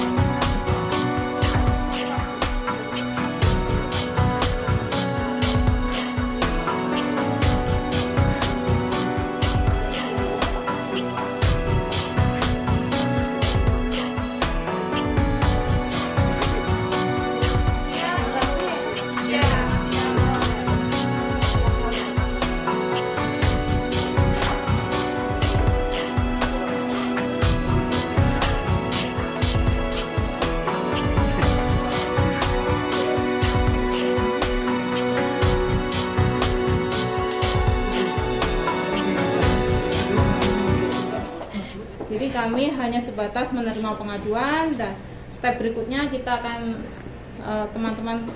hai jadi kami hanya sebatas menerima pengaduan dan step berikutnya kita akan teman teman